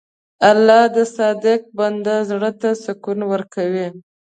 الله د صادق بنده زړه ته سکون ورکوي.